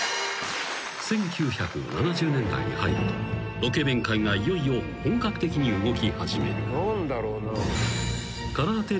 ［１９７０年代に入るとロケ弁界がいよいよ本格的に動き始める］